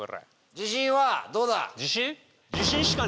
自信はどうだ？